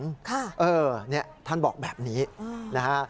ค่ะนี่ท่านบอกแบบนี้นะฮะ